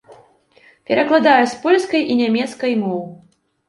Перакладае з польскай і нямецкай моў.